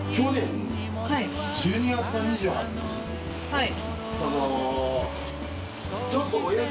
はい。